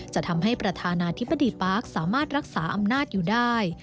จะทำให้ประธานาธิบดีปาร์คสามารถรักษาอำนาจอยู่ได้